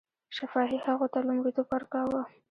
شفاهي هغو ته لومړیتوب ورکاوه.